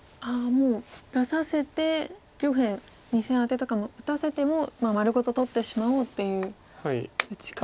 もう出させて上辺２線アテとかも打たせても丸ごと取ってしまおうっていう打ち方。